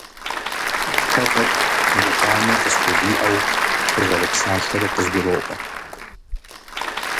Фэ тӀэкӀу гукъанэ къысхувиӀэу фызэрыпсалъэри къызгуроӀуэ.